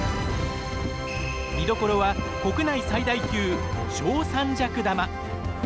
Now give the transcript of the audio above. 見どころは国内最大級、正三尺玉。